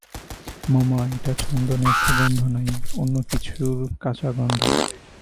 মামা, এটা চন্দনের সুগন্ধ নয়, অন্য কিছুর কাঁচা গন্ধ।